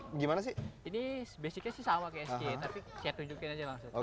ini basicnya sama kayak skate tapi saya tunjukin aja langsung